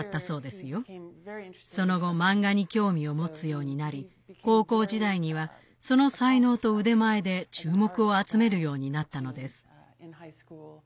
その後漫画に興味を持つようになり高校時代にはその才能と腕前で注目を集めるようになったのです。